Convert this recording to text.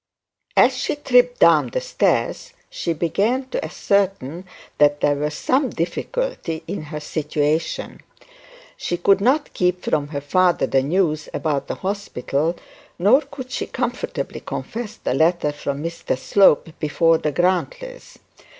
As she tripped down the stairs she began to ascertain that there was some difficulty in her situation. She could not keep from her father the news about the hospital, nor could she comfortably confess the letter from Mr Slope before the Grantlys.